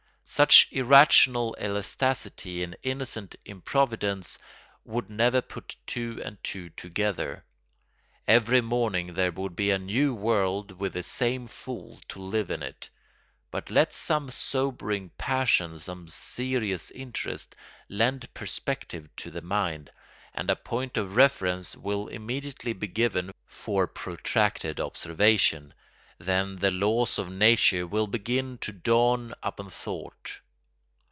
Such irrational elasticity and innocent improvidence would never put two and two together. Every morning there would be a new world with the same fool to live in it. But let some sobering passion, some serious interest, lend perspective to the mind, and a point of reference will immediately be given for protracted observation; then the laws of nature will begin to dawn upon thought.